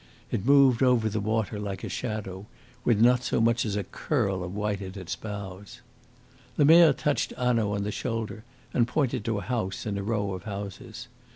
It moved over the water like a shadow, with not so much as a curl of white at its bows. Lemerre touched Hanaud on the shoulder and pointed to a house in a row of houses.